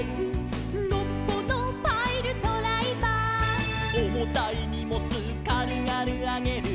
「のっぽのパイルドライバー」「おもたいにもつかるがるあげる」